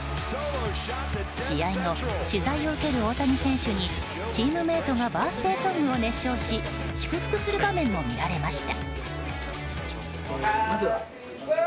試合後、取材を受ける大谷選手にチームメートがバースデーソングを熱唱し祝福する場面も見られました。